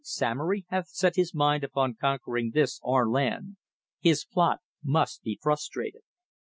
Samory hath set his mind upon conquering this our land; his plot must be frustrated."